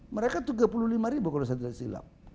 mereka tiga puluh lima ribu kalau saya tidak silap